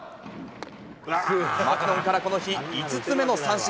マキノンからこの日、５つ目の三振。